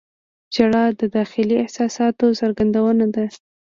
• ژړا د داخلي احساساتو څرګندونه ده.